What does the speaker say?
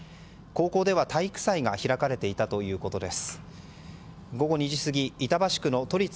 高校では体育祭が開かれていたということです。